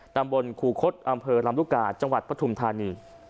ตำบลครูคดอำเภอลำลูกกาจังหวัดปฐุมธานี